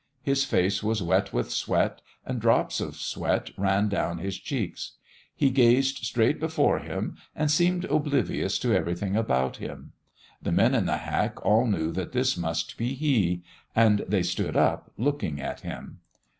His face was wet with sweat, and drops of sweat ran down His cheeks. He gazed straight before Him and seemed oblivious to everything about Him. The men in the hack all knew that that must be He, and they stood up looking at Him.